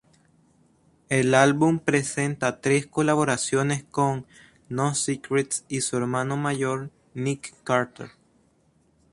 El álbum presenta tres colaboraciones con No Secrets y su hermano mayor, Nick Carter.